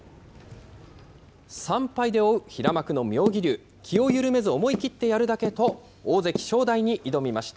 ３敗で追う平幕の妙義龍、気を緩めず、思い切ってやるだけと、大関・正代に挑みました。